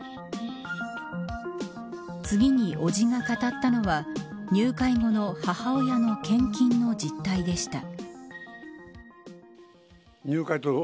次に伯父が語ったのは入会後の母親の献金の実態でした。